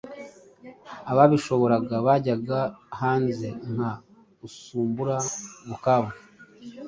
Ababishoboraga bajyaga hanze nka Usumbura Bukavu.